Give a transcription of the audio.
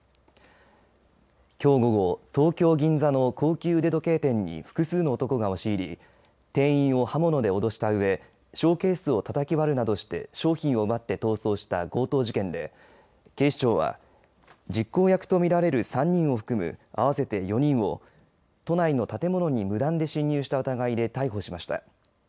きょう午後東京、銀座の高級腕時計店に複数の男が押し入り店員を刃物で脅したうえショーケースをたたき割るなどして商品を奪って逃走した強盗事件で警視庁は実行役と見られる３人を含む合わせて４人を都内の建物に無断で侵入した疑いで逮捕しました。